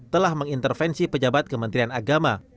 telah mengintervensi pejabat kementerian agama